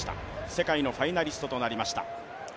世界のファイナリストとなりました。